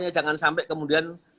jangan sampai kemudian